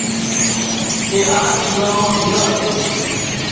ڪي آز اِي ڳام مان ويواه سي